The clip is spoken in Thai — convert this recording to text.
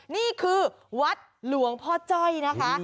นี่คือวัดหลวงพ่อจ้อยนะคะ